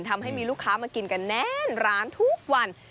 ทำให้มีลูกค้ามากินกันแน่นร้านทุกวัน